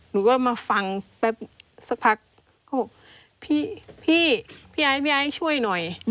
หนูก็มาฟังแป๊บสักพักเขาบอกพี่พี่ไอ้พี่ไอ้ช่วยหน่อย